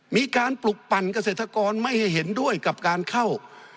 มีการปลุกปั่นเกษตรกรไม่ให้เห็นด้วยกับการเข้า